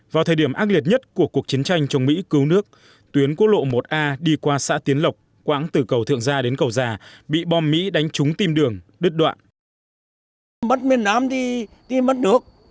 vào thời điểm ác liệt nhất của cuộc chiến tranh chống mỹ cứu nước tuyến quốc lộ một a đi qua xã tiến lộc quãng từ cầu thượng gia đến cầu già bị bom mỹ đánh trúng tìm đường đứt đoạn